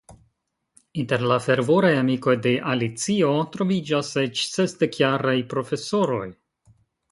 Inter la fervoraj amikoj de Alicio troviĝas eĉ sesdekjaraj profesoroj.